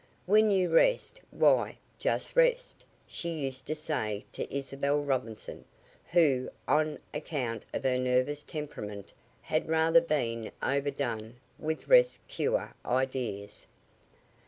"When you rest, why, just rest," she used to say to Isabel Robinson, who, on account of her nervous temperament, had rather been overdone with "rest cure" ideas.